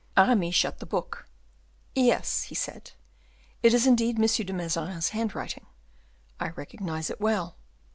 Aramis shut the book. "Yes," he said, "it is indeed M. de Mazarin's handwriting; I recognize it well.